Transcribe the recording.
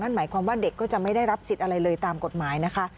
หมายความว่าเด็กก็จะไม่ได้รับสิทธิ์อะไรเลยตามกฎหมายนะคะ